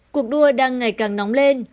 cuộc đua đang ngày càng nóng lên